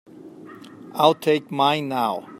I'll take mine now.